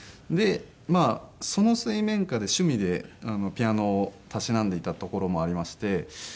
でまあその水面下で趣味でピアノをたしなんでいたところもありまして。